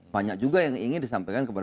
banyak juga yang ingin disampaikan kepada